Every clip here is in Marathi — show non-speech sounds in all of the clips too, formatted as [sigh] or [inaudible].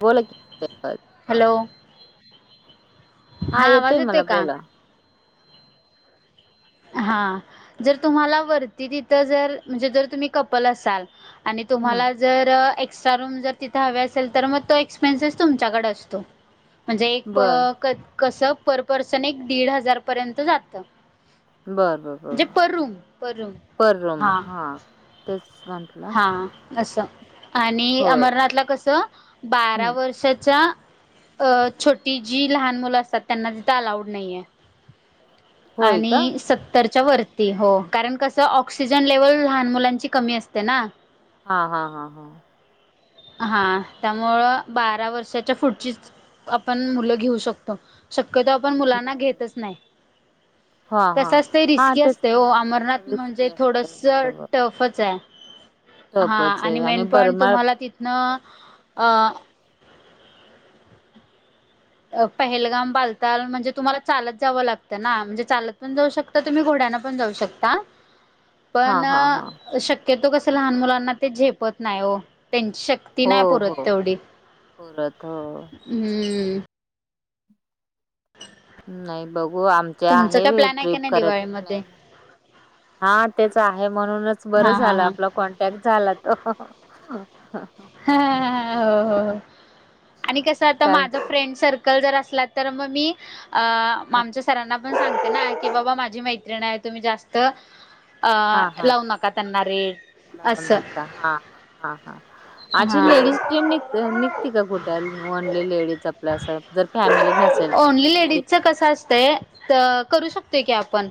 बोला की. हॅलो. हा येतोय मला बोला. हा जर तुम्हाला वरती तिथं जर म्हणजे जर तुम्ही कपल असाल आणि हम्म तुम्हाला जर एक्स्ट्रा रूम जर तिथ हवी असेल तर मग तो एक्सपेन्सेस तुमच्याकडे असतो. म्हणजे एक बर प कसं पर पर्सन एक दीड हजार पर्यंत जातं. बरं बर बर म्हणजे बर. Per room per room per room हा. तेच म्हंटलं हा असं. आणि होय अमरनाथला कसं बारा हम्म वर्षाच्या अ छोटी जी लहान मुलं असतात त्यांना तिथं अलाउड नाहीय. होय का आणि सत्तरच्या वरती हो कारण कस ऑक्सिजन लेवल लहान मुलांची कमी असते ना? हा हा हा हा. हा त्यामुळं बारा वर्षाच्या पुढचीच आपण मुलं घेऊ शकतो. शक्यतो आपण बर मुलांना बर घेतच नाही. हा. हा कस असतय हा रिस्की तेच असतय ना ओ अमरनाथ म्हणजे रिस्की असते थोडंसं बरोबर टफच आहे. हा टपच आणि आहे मेन पॉईंट बरमाळ तुम्हाला तिथनं अ पहलगाम बालताल म्हणजे तुम्हाला चालत जावं लागतं ना म्हणजे चालत पण जाऊ शकता तुम्ही घोड्यान पण जाऊ शकता. हा पण हा हा शक्यतो कस लहान मुलांना ते झेपत नाही ओ त्यांची शक्य हो हो परत हो. हम्. नाही बघू आमची तुमचं आहे काय ही प्लॅन आहे का ट्रिप नाही करायच दिवाळीमध्ये प्लॅन. हा तेच आहे म्हणूनच बरं हा हा झालं हा आपलं कॉन -न्टॅक्ट झाला तो ह. हहह हो हो आणि कसं आता कारण की माझं फ्रेंड सर्क कल जर असला तर मग मी अ हा आमच्या सरांना पण सांगते ना की बाबा माझी मैत्रीण आहे तुम्ही जास्त अ हा हा लावू नका त्यांना रेट लावू असं नका हा हा. हा हा अशी हा लेडीज ट्रीम निघ निघते का कुठ ओनली लेडीज आपल अस जर फॅमिली नसेल फक्त लेडीज म्हटलं त करू शकतोय की आपण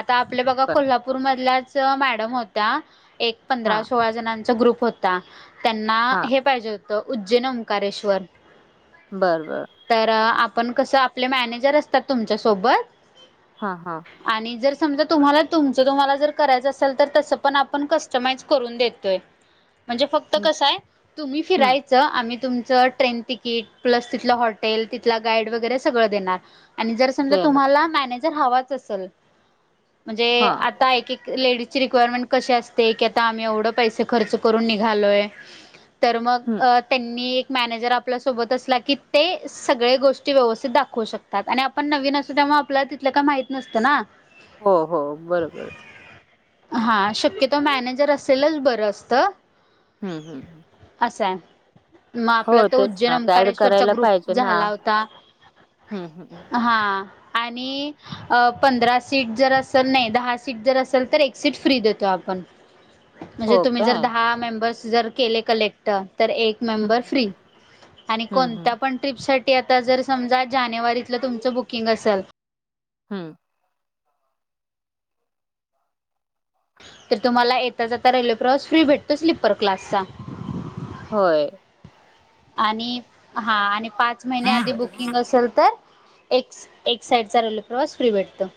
आता आपल्या बघा बर कोल्हापूरमधल्याच मॅडम होत्या एक हा पंधरा सोळा जणांचा ग्रुप होत ता त्यांना हा हे पाहिजे होतं उज्जैन ओकारेश्वर बरं बर तर आपण कसं आपले मॅनेजर असतात तुमच्या सोबत हा, हा. आणि जर समजा तुम्हाला, तुमच तुम्हाला जर करायचं असेल तर तसं पण आपण कस्टमाइज करून देतोय. [unintelligible] म्हणजे फक्त कसंय आहे, तुम्ही हम्म फिरायचं आम्ही तुमचं ट्रेन तिकीट प्लस तिथलं हॉ तेल तिथला गाईड वगैरे सगळं देणार आणि जर समजा दे ना तुम्हाला मॅनेज हवाच असल. म्हणजे हा आता एक- एक लेडीज ची रिक्वायरमेंट कशी असते की आता आम्ही एवढं पैसे खर्च करून निघालोय. तर मग, हम्म त्यांनी एक मॅनेजर आपल्या सोबत असला की ते सगळे गोष्टी व्यवस्थित दाखवू शकतात आणि आपण नवीन असतो त्यामुळे आपल्याला तिथलं काय माहित नसतं ना. हो, हो. बरोबर. हा, शक्यतो मॅनेजर असेलच बरं असतं. हम् हम्म हम असं हाय, मग आपला तर तेच ना उज्जैन गाईड ओकारेश्वरचा करायला ग्रुप पाहिजे ना झाला होता. हम्म हम्म हा आणि पंधरा सीट जर असल, नाही दहा सीट जर असेल तर एक सीट फ्री देतो आपण. [unintelligible] म्हणजे तुम्ही जर काय दहा मेंबर्स जर केले कलेक्ट तर एक हम्म मेंबर फ्री आणि हम्म कोणता हम्म पण ट्रिप साठी आता जर समजा जानेवारीतलं तुमचं बुकिंग असल ह.. ते तुम्हाला येता-जाता रेल्वे प्रवास फ्री भेटतो स्लीपर क्लासचा होय. आणि हा, आणि पाच महिने आधी बुकिंग असेल तर एक, एक साईड चालेला प्रवास फ्री भेटतो.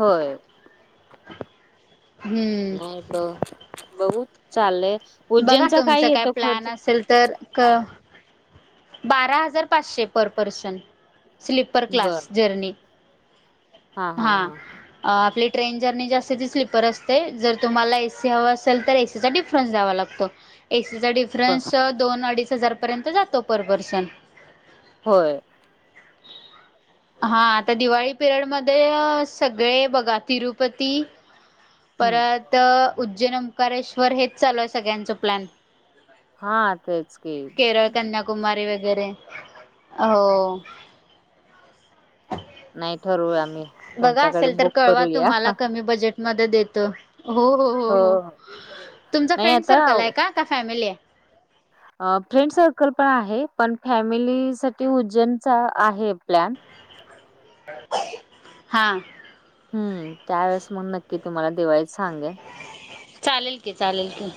होय. हम्म नाहीत हो. बघू, चाललंय. बघा उज्जैनचा तुमचं काय येतो खर्च प्लॅन असेल तर, क बारा हजार पाचशे, पर पर्सन स्लीपर क्लास बर जरर्नी, हा आपली ट्रेन जर्नी जास्त दिसली, परत ते जर तुम्हाला ए, सी हवं असेल तर ए, सीचा डिफरन्स द्यावा लागतो. ए, सीचा ब डिफरन्स दोन अडीच -हजार पर्यंत जातो पर पर्सन होय. हा आता दिवाळी पिरियड मध्ये सगळे बघा, तिरुपती हम्म परत उज्जैन, ओकारेश्वर हेच चालू आहे सगळ्यांचं प्लॅन हा, तेच की केरळ कन्याकुमारी वगैरे. आ, हो नाही ठेव बघा असेल तर, कळवा तुम्हाला कमी बजेट मध्ये देतो, हो, हो, हो, हो तुमचा नाही फ्रेंड आता सर्कल आहे का? का फॅमिली हाय? फ्रेंड सर्कल पण आहे, पण फॅमिली साठी उज्जैनचा आहे प्लॅन. हा. हम्, त्यावेेळेस मग नक्की तुम्हाला दिवाळीत सांगेन. चालेल की, चालेल की.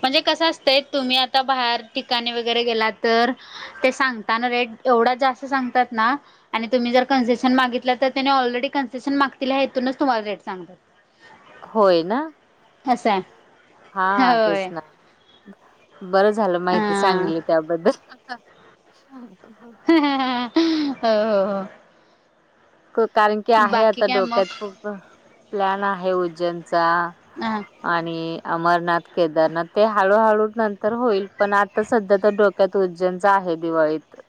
म्हणजे कसं असतंय, तुम्ही आता बाहेर ठिकाणी वगैरे गेला तर ते सांगताना रेट एवढा जास्त सांगतात ना आणि तुम्ही जर कन्सेशन मागितलं तर त्याने ऑलरेडी कन्सेशन मागतील ह्या हेतून तुम्हाला रेट सांगतात. होय ना? असाय. हा तेच ना बरं झालं माहिती हा सांगली त्याबद्दल. [unintelligible] हो हो हो. कारण की आहे बाकी आता काय मग? डोक्यात खूप प्लॅन आहे उज्जैनचा. [unintelligible] आणि अमरनाथ केदारनाथ ते हळूहळू नंतर होईल पण आता सध्या तर डो त्यात उज्जैनचा आहे दिवाळीत.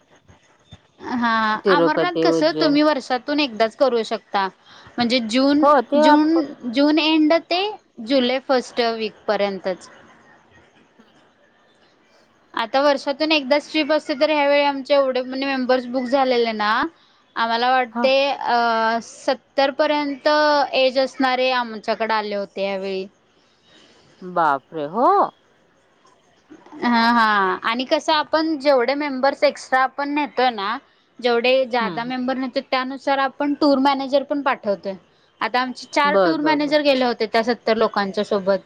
हा अमरनाथ तिरुपती, कस उज्जैन तुम्ही वर्षातून एकदाच करू शकता. म्हणजे जून हो ते जून आपण जून एंड ते जुलै फस्ट वीक पर्यंतच. आता वर्षातून एकदाच ट्रिप असते तर ह्यावेेळी आमचे एवढे मेंबर्स बुक झालेले ना. आम्हाला ह वाटते अ स त्तरपर्यंत एज असणारे आमच्याकडे आले होते यावेळी. बापरे हो? हा हा आणि कसं आपण जेवढे मेंबर्स एक्स्ट्रा आपण नेतोय ना जेवढे हम्म ज्यादा हम्म मेंबर होत्यात त्या नुसार आपण टूर मॅनेजर पण पाठवतोय आता आमची चार बर टूर बर बर. मॅनेजर गेले होते त्या सत्तर लोकांच्या सोबत.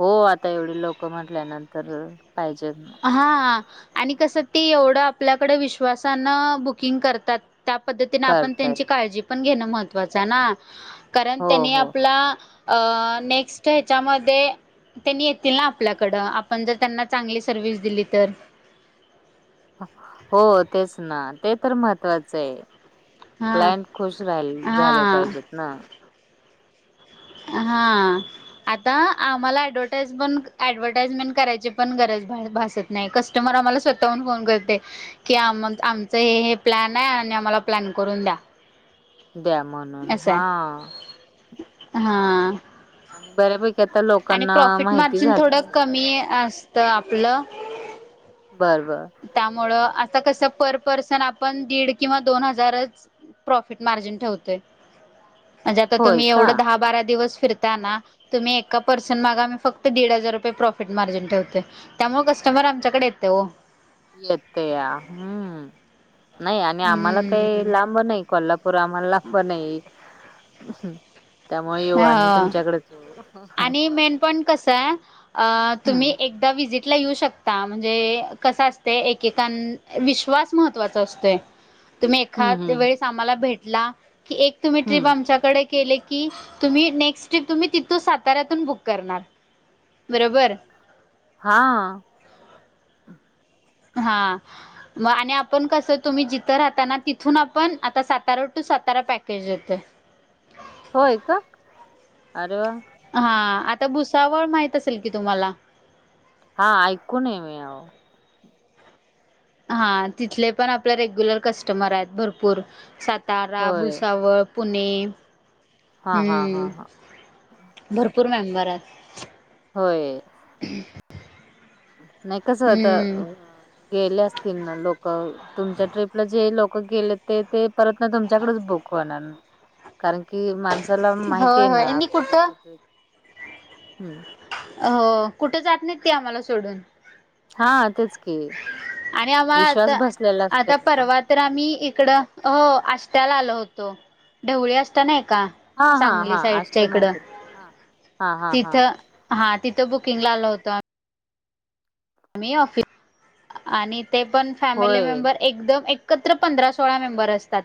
हो आता एवढी लोक म्हटल्यानंतर पाहिजेत ना. हां आणि कसं ती एवढं आपल्याकडे विश्वासानं बुकिंग करतात. त्या पद्धतीन आपण करतायत. त्यांची काळजी पण घेणं महत्त्वाचं आहे ना. कारण हो त्यांनी हो आपला अ नेक्स्ट हच्यामध्ये त्यांनी येतील ना आपल्याकड आपण जर त्यांना चांगली सर्विस दिली तर. हो तेच ना ते तर महत्वाचय. हा क्लायंट खुश राहिल झाले हा पाहिजेत ना. हा. आता आम्हाला ॲडवटाईज पन ॲडवटाईजमेंट करायची पण गरज भासत नाय कस्टमर आम्हाला स्वतःहून फोन करते. कि आ-आमचं हे हे प्लॅन आहे आणि आम्हाला प्लॅन करून द्या. द्या म्हणून असं हा. आहे हा. आणि बऱ्यापैकी आ आणि प्रॉफिट मार्जिन थोडं कमी असतं आपलं. बर बर. त्यामुळं आता कसं पर पर्सन आपण दीड किंवा दोन हजारच प्रॉफिट मार्जिन ठेवतोय म्हणजे आता होय तुम्ही का? एवढं दहा बारा दिवस फिरता ना तुम्ही एका पर्सन माग आम्ही फक्त दीड हजार रुपये प्रॉफिट मार्जिन ठेवतोय. त्यामुळ कस्टमर आमच्याकडे येतय ओ. येतया हम्म नाई आणि आम्हाला काय हम्म लांब नाय. कोल्हापूर आम्हाला पणये. हा आणि मेन पॉइंट कसय अ- तुम्ही हं. एक एकदा विजिटला येऊ शकता म्हणजे कस असते एकेकां विश्वास महत्त्वाचा असतोय तुम्ही हं, एखाद हं, वेळेस आम्हाला भेटला की एक तुम्ही ट्रिप हं. आमच्याकडे केली कि तुम्ही नेक्स्ट ट्रिप तुम्ही तिथून साताऱ्यातून बुक करणार बरोबर हा. हा. मग आणि आपण कसं तुम्ही जिथं राहताना तिथून आपण आता सातारा टू सातारा पॅकेज देतोय होय का अरे वा. हा आता भुसावळ माहित असेल की तुम्हाला? हा ऐकून आहे मी आहो. हा तिथले पण आपले रेग्युलर कस्टमर आहेत भरपूर सातारा, होय. भुसावळ पुणे हा हा हा हम्म हा. भरपूर मेंबर आहेत. होय. ह् नाही कस आता अम हम्म गेले असतील ना लोक तुमच्या ट्रिपला जे लोक गेले ते ते परत ना तुमच्याकडेच बुक होणार कारण कि माणसाला माहिती होय आहे ना होय मी आपल कुठं सगळ, हम्म हो कुठे चाललीत ते आम्हाला सोडून हा तेच की आणि आम्हाला विश्वास आता बसलेला आता असतोय ना परवा तर आम्ही इकडं हो अष्ट्याला आलो होतो ढवळ्या अष्ट नाही का हा हा हा सांगली साईडच्या आष्टे इकड, माहिती हा हा हा हा तिथं हा तिथं बुकिंग ला आलो होतो आम्ही ही ऑफि आणि ते पण फॅमिली होय मेंबर एकदम एकत्र पंधरा सोळा मेंबर असतात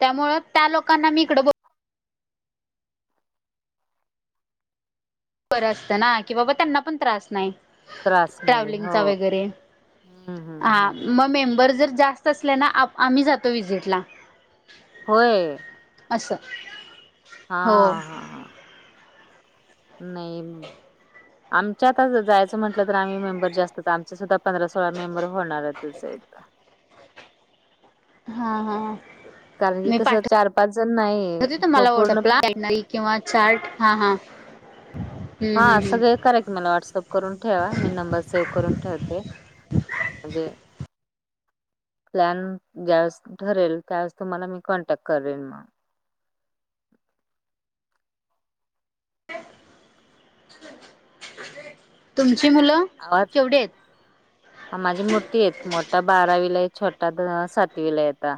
त्यामुळे त्या लोकांना मी इकड बोल बरं असतं ना कि बाबा त्यांना पण त्रास नाही त्रास नाही हो ट्रॅव्हलिंगचा वगैरे हम्म हम्म हा हम्म मग मेंबर जर जास्त असले ना आ आम्ही जातो विजिटला होय. असं. हा हो हा. हा नाही आमच्या आता जायचं म्हटलं तर आम्ही मेंबर जास्तच आमच सुद्धा पंधरा सोळा मेंबर होणारच आहे आता. हा हा. कारण की मी कसं पाठवते चार पाच जण नाही प तुम्हाला पूर्ण व्हॉट्सअपला कॅटनरी किंवा चार्ट हां हां. हा सगळे करा की मला व्हॉट्सअप करून ठेवा मी नंबर सेव्ह करून ठेवते म्हणजे प्लॅन ज्यावेळेस ठरेल त्यावेळेस तुम्हाला मी कॉन्टॅक्ट करेन मग तुमची मुलं आहात केवढी आहेत माझी मोठी आहेत मोठा बारावीला आहे, छोटा सातवीला आहे आता.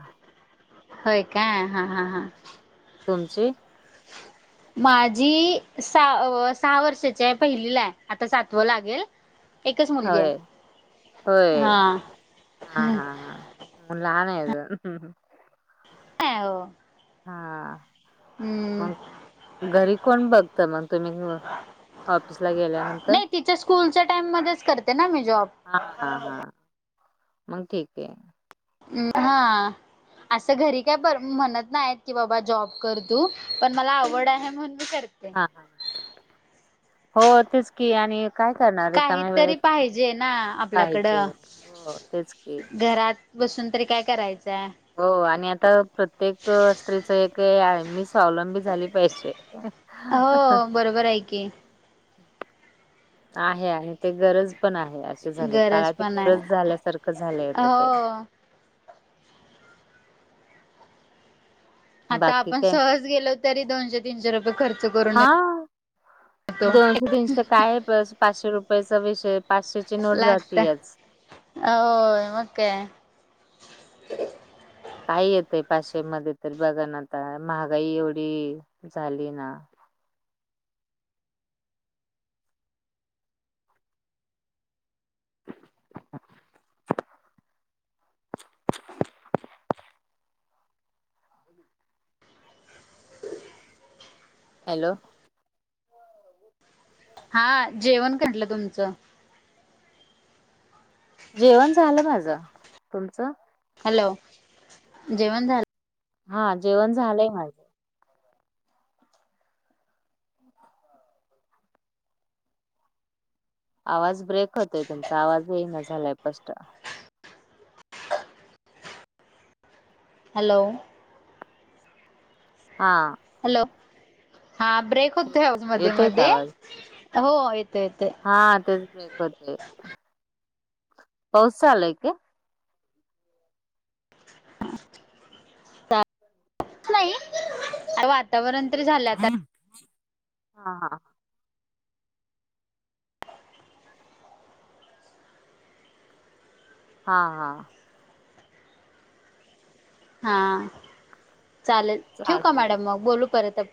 होय का हा हा हा. तुमची? माझी स सहा वर्षाची आहे पहिलीला आहे आता सातव लागेल. एकच मुलगी आहे. होय होय हा. हा हा हा. मग लहान आहे अजून. हा हा ॲव. हा मग घरी कोण बघत मग तुम्ही ऑफिसला गेल्यानंतर नाही तिच्या स्कूलच्या टाइम मध्येच करते ना मी जॉब. हा हा हा मग ठीक आहे. हम् हा. अस घरी काय म्हणत नाही की बाबा जॉब कर तू पण मला आवड आहे म्हणून मी करते. हा हो तेच की आणि काय करणार काही रिकाम्या तरी वेळेत पाहिजे ना आपल्याकड पाहिजे. हो तेच की घरात. बसून तरी काय करायचय. हो आणि आता प्रत्येक स्त्रीच एक आहे मी स्वावलबी झाली पाहिजे. हो बरोबर आहे की, आहे आहे ते गरज पण आहे असे झालय गरज काळाची पण आहे गरज झाल्यासारख झालय आता ते. हो. आता बाकी आपण काय सहज गेलो तरी दोनशे तीनशे रुपये खर्च करून ये हा. दोनशे- तीनशे काय आहे बस पाचशे रुपयांचा विषय पाचशेची नोट लागत जातीयच. होय, मग काय? काही येतय पाचशे मध्ये तर बघा ना आता महागाई एवढी झाली ना. हॅलो. हा जेवण करल तुमच.? जेवण झाल माझ. तुमच? हॅलो. जेवण झाल? हा जेवण झालय माझ. आवाज ब्रेक होतोय तुमचा आवाज येईना झालाय स्पष्ट. हॅलो. हा हॅलो हा ब्रेक होतोय अहो मध्ये येतोय का मध्ये आवाज हो येतोय येतोय. हा तेच ब्रेक होतोय. पाऊस चालूय काय? [inaudible] येत नाही वातावरण तर झालय आता. हा हा हा हा हा चालेल. ठेवू का चालतंय मॅडम? मग बोलू परत आप